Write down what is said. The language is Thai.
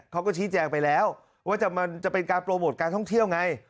เขาก็ชี้แจงไปแล้วว่ามันจะเป็นการโปรโมทการท่องเที่ยวไง